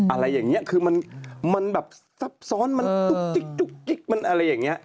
อะไรอย่างนี้คือมันแบบซับซ้อนมันจุ๊กจิ๊กมันอะไรอย่างนี้